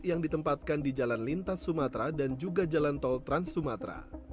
yang ditempatkan di jalan lintas sumatra dan juga jalan tol trans sumatra